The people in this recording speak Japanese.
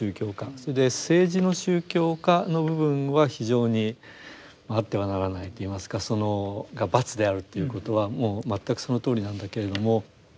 それで政治の宗教化の部分は非常にあってはならないといいますかそのバツであるということはもう全くそのとおりなんだけれども。